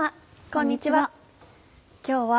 こんにちは。